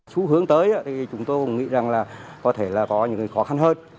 xu hướng tới thì chúng tôi cũng nghĩ rằng là có thể là có những khó khăn hơn